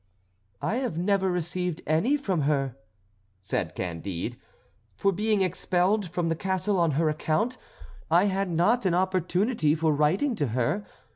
"I have never received any from her," said Candide, "for being expelled from the castle on her account I had not an opportunity for writing to her.